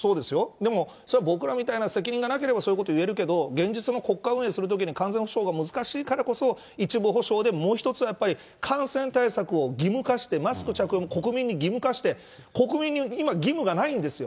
でも、僕らみたいな責任がなければそういうことを言えるけど、現実の国家運営するときに、完全補償が難しいからこそ、一部補償で、もう一つはやっぱり感染対策を義務化して、マスク着用も国民に義務化して、国民に今、義務がないんですよ。